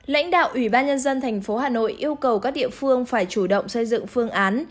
lãnh đạo ủy ban nhân dân thành phố hà nội yêu cầu các địa phương phải chủ động xây dựng phương án